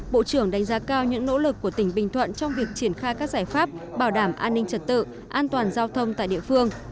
bộ trưởng đánh giá cao những nỗ lực của tỉnh bình thuận trong việc triển khai các giải pháp bảo đảm an ninh trật tự an toàn giao thông tại địa phương